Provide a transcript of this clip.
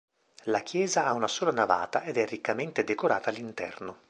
La chiesa ha una sola navata ed è riccamente decorata all'interno.